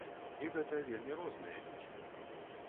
І гэта вельмі розныя людзі.